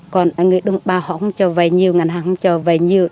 còn người đồng bào họ không cho vay nhiều ngân hàng không cho vay nhiều